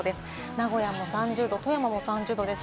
名古屋も富山も３０度です。